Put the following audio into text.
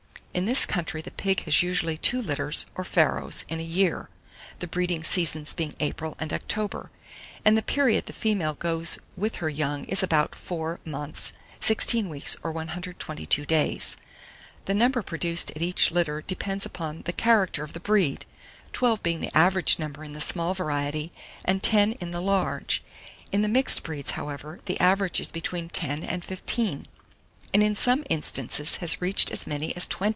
In this country the pig has usually two litters, or farrows, in a year, the breeding seasons being April and October; and the period the female goes with her young is about four months, 16 weeks or 122 days. The number produced at each litter depends upon the character of the breed; 12 being the average number in the small variety, and 10 in the large; in the mixed breeds, however, the average is between 10 and 15, and in some instances has reached as many as 20.